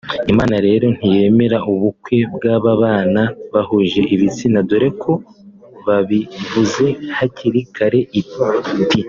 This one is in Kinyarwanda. Imana rero ntiyemera ubukwe bw’ababana bahuje ibitsina dore ko yabivuze hakiri kare iti